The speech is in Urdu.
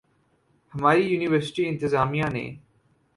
ہماری یونیورسٹی انتظامیہ نے